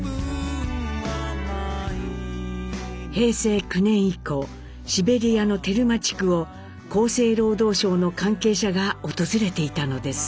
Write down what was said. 平成９年以降シベリアのテルマ地区を厚生労働省の関係者が訪れていたのです。